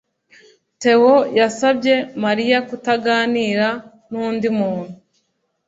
Theo yasabye Mariya kutaganira nundi muntu.